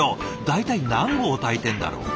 大体何合炊いてんだろう。